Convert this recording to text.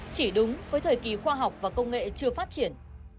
chỉ đúng với thời kỳ khoa học và công nghệ chưa phát triển